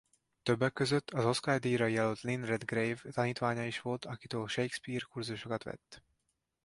Többek között az Oscar-díjra jelölt Lynn Redgrave tanítványa is volt akitől Shakespeare kurzusokat vett.